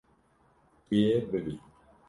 Tu yê bibî.